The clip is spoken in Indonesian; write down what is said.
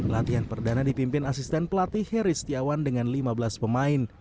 latihan perdana dipimpin asisten pelatih heri setiawan dengan lima belas pemain